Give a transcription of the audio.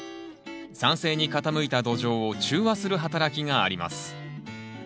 酸性に傾いた土壌を中和する働きがあります。